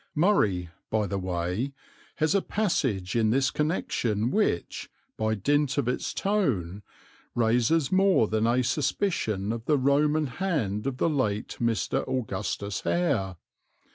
"Murray," by the way, has a passage in this connection which, by dint of its tone, raises more than a suspicion of the Roman hand of the late Mr. Augustus Hare.